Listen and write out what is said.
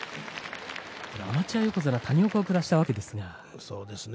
アマチュア横綱の谷岡を下したわけですね。